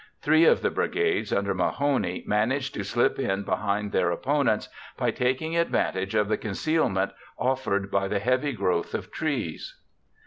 Three of the brigades under Mahone managed to slip in behind their opponents by taking advantage of the concealment offered by the heavy growth of trees.